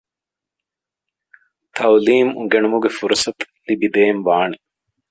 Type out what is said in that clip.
ތަޢުލީމު އުނގެނުމުގެ ފުރުޞަތު ލިބިދޭން ވާނެ